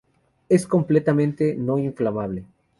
Es completamente no inflamable.